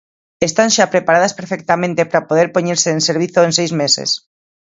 Están xa preparadas perfectamente para poder poñerse en servizo en seis meses.